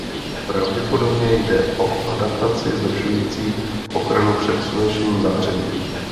Pravděpodobně jde o adaptaci zlepšující ochranu před slunečním zářením.